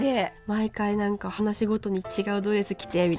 毎回何か話ごとに違うドレス着てみたいな。